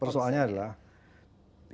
ini bukan hanya salahnya